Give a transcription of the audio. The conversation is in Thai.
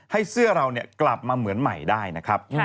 ให้เสื้อเรากลับมาเหมือนใหม่ได้นะครับ